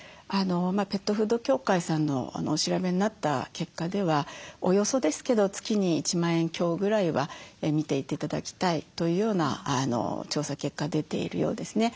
ペットフード協会さんのお調べになった結果ではおおよそですけど月に１万円強ぐらいは見て頂きたいというような調査結果出ているようですね。